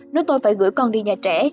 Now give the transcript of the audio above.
nói tôi phải gửi con đi nhà trẻ